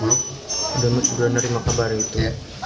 udah mencuba nering apa kabar itu